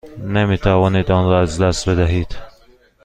نمی توانید آن را از دست بدهید.